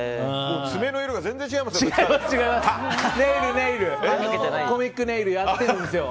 爪の色が全然違いますよ。